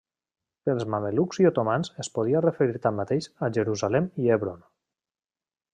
Pels mamelucs i otomans es podia referir tanmateix a Jerusalem i Hebron.